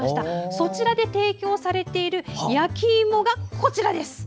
そちらで提供されている焼きいもがこちらです。